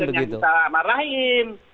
harusnya kita marahin